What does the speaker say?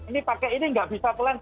ini pakai ini nggak bisa plan